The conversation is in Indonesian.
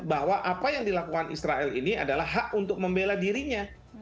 bahwa apa yang dilakukan israel ini adalah hak untuk membela dirinya